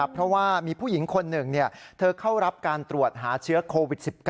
เพราะว่ามีผู้หญิงคนหนึ่งเธอเข้ารับการตรวจหาเชื้อโควิด๑๙